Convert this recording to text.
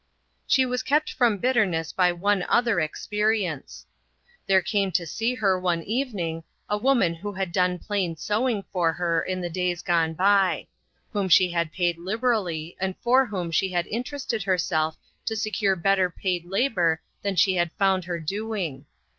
She was kept from bitterness by one other experience. There came to see her one evening, a woman who had done plain sewing for her in the days gone by; whom she had paid liberally and for whom she had inter ested herself to secure better paid labor than she had found her doing.